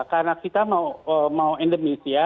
karena kita mau endemis ya